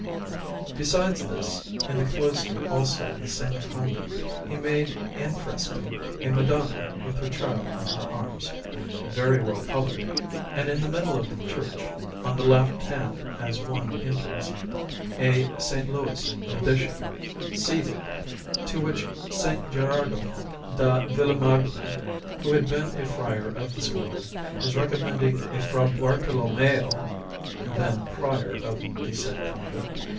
Besides this, in the cloister also of the same convent he made in fresco a Madonna with her Child in her arms, very well coloured, and in the middle of the church, on the left hand as one enters, a S. Louis the Bishop, seated, to whom S. Gherardo da Villamagna, who had been a friar of this Order, is recommending a Fra Bartolommeo, then Prior of the said convent.